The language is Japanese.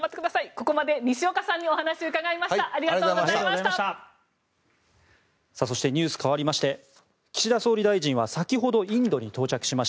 ここまで西岡さんにお話を伺いました。